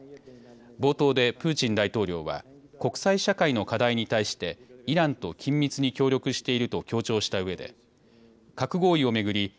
冒頭でプーチン大統領は国際社会の課題に対してイランと緊密に協力していると強調したうえで核合意を巡り